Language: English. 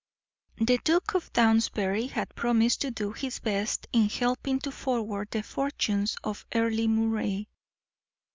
The Duke of Downsbury had promised to do his best in helping to forward the fortunes of Earle Moray.